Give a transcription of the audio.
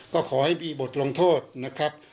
ก็ขอให้มีบทลงโทษนะครับ